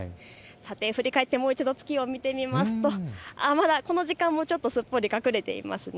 振り返ってもう一度、月を見てみますとこの時間もすっぽり隠れていますね。